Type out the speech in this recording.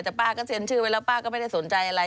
แต่ป้าก็เซ็นชื่อไว้แล้วป้าก็ไม่ได้สนใจอะไร